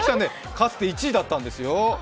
かつて１位だったんですよ。